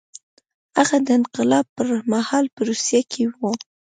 هغه د انقلاب پر مهال په روسیه کې و